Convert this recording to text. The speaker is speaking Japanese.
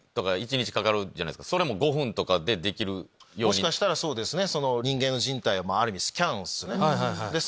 もしかしたらそうですね。